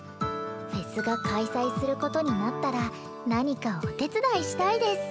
フェスが開催することになったら何かお手伝いしたいです！」。